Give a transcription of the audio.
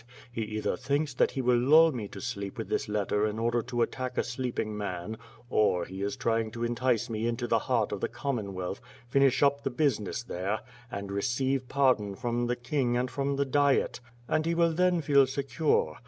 He either thinks that he will lull me to sleep with this letter in order to attack a sleeping man, or he is trying to entice me into the heart ofthe Commonwealth, finish up the business there, and receive pardon from the King and fr©m the Diet; and he will then feel secure.